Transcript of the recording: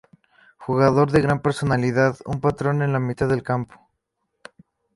Jugador de gran personalidad, un patrón en la mitad del campo.